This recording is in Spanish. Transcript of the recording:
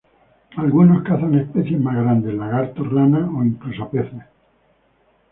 Algunos cazan especies más grandes: lagartos, ranas o incluso peces.